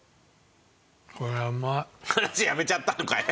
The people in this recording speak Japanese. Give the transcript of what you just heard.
話やめちゃったのかい！